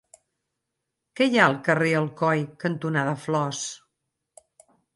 Què hi ha al carrer Alcoi cantonada Flors?